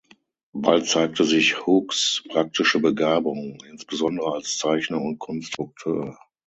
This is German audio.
Bald zeigte sich Hookes praktische Begabung, insbesondere als Zeichner und Konstrukteur.